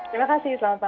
terima kasih selamat malam